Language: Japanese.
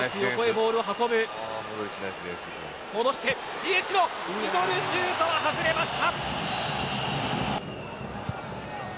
ジエシュのミドルシュートは外れました。